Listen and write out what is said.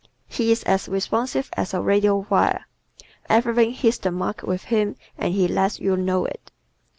He is as responsive as a radio wire. Everything hits the mark with him and he lets you know it.